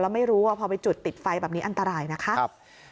ไม่รู้ว่าพอไปจุดติดไฟแบบนี้อันตรายนะคะ